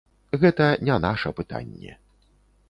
Гэта не наша пытанне.